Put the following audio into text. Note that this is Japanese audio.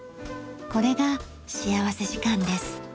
これが幸福時間です。